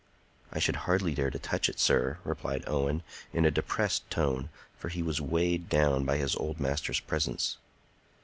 "I should hardly dare touch it, sir," replied Owen, in a depressed tone; for he was weighed down by his old master's presence.